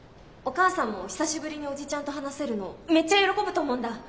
お母さんも久しぶりにおじちゃんと話せるのめっちゃ喜ぶと思うんだ。